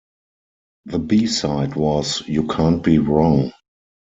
The B-side was "You Can't Be Wrong".